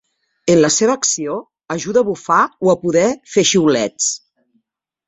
En la seva acció, ajuda a bufar o a poder fer xiulets.